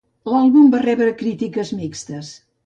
L'àlbum va rebre crítiques mixtes.